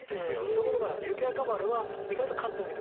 ところが雪若丸は意外と簡単にできます。